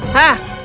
hah aku apa